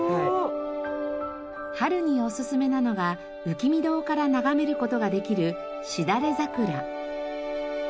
春におすすめなのが浮き見堂から眺める事ができるシダレザクラ。